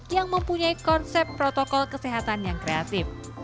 yang mempunyai konsep protokol kesehatan yang kreatif